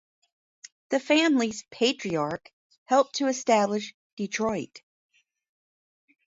The family's patriarch helped to establish Detroit.